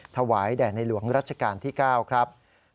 ถวายแด่ในหลวงรัชกาลที่๙ครับ